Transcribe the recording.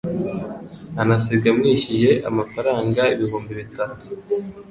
anasiga amwishyuye amafaranga ibihumbi bitatu.